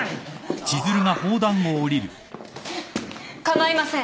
構いません。